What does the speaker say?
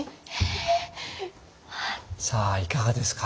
えっ⁉さあいかがですか？